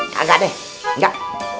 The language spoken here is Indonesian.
kagak deh enggak